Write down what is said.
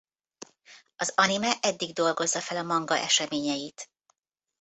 Az anime eddig dolgozza fel a manga eseményeit.